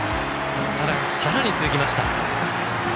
さらに続きました。